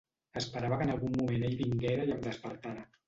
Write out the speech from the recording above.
Esperava que en algun moment ell vinguera i em despertara.